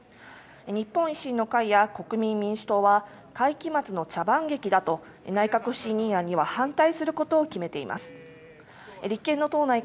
日本維新の会や国民民主党は会期末の茶番劇だと内閣不信任案には反対することを決めています。